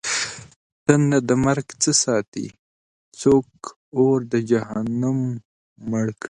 تنده د مرگ څه ساتې؟! څوک اور د جهنم مړ کړي؟!